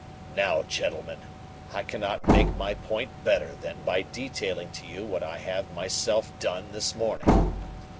"Now, gentlemen, I cannot make my point better than by detailing to you what I have myself done this morning.